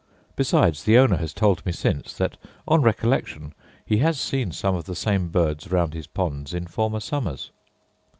Besides, the owner has told me since, that, on recollection, he has seen some of the same birds round his ponds in former summers.